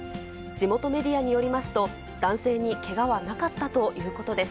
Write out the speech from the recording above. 地元メディアによりますと、男性にけがはなかったということです。